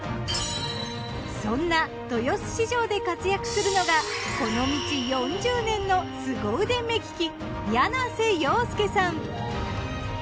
そんな豊洲市場で活躍するのがこの道４０年の凄腕目利き。